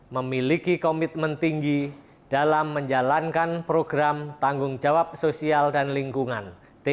memiliki komitmen tinggi dalam menjalankan program tanggung jawab sosial dan lingkungan